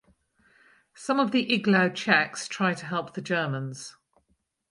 Some of the Iglau Czechs try to help the Germans.